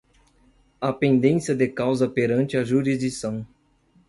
A pendência de causa perante a jurisdição